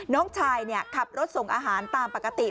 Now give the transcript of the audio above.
น้องชายขับรถส่งอาหารตามปกติ